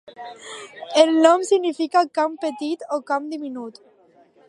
El nom significa "camp petit" o "camp diminut".